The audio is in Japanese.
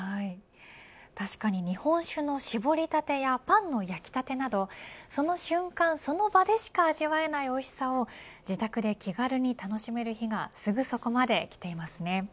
確かに日本酒のしぼりたてやパンの焼きたてなどその瞬間その場でしか味わえないおいしさを自宅で気軽に楽しめる日がすぐそこまできていますね。